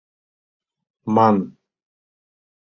Ман: